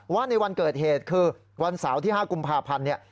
ว่าในวันเกิดเหตุคือวันเสาร์ที่๕กุมภาพันธ์เนี่ย